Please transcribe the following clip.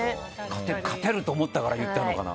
勝てると思ったから言ったのかな。